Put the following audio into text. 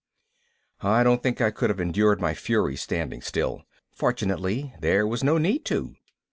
I don't think I could have endured my fury standing still. Fortunately there was no need to.